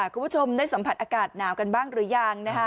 คุณผู้ชมได้สัมผัสอากาศหนาวกันบ้างหรือยัง